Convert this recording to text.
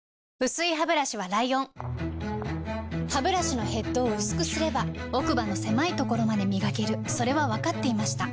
薄いハブラシはライオンハブラシのヘッドを薄くすれば奥歯の狭いところまで磨けるそれは分かっていました